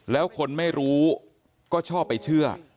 แล้วคนไม่รู้ก็ชอบไปเชื่อ